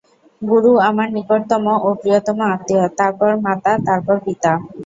গুরু আমার নিকটতম ও প্রিয়তম আত্মীয়, তারপর মাতা, তারপর পিতা।